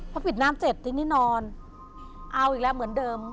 พอปิดน้ำเสร็จทีนี้นอนเอาอีกแล้วเหมือนเดิม